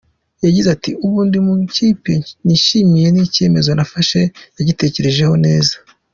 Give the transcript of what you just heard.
Yagize ati “Ubu ndi mu ikipe nishimiye, ni icyemezo nafashe nagitekerejeho neza.